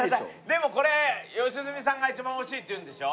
でもこれ良純さんが一番美味しいって言うんでしょ？